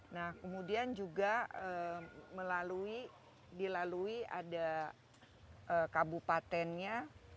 nah kemudian juga melalui dilalui ada kabupatennya